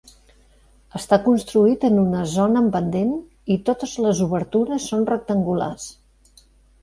Està construït en una zona en pendent i totes les obertures són rectangulars.